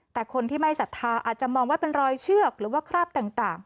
แต่คนที่ไม่ศรัทธาอาจจะมองว่าเป็นรอยเชือกหรือว่าคราบต่าง